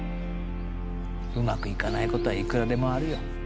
うまくいかないことはいくらでもあるよ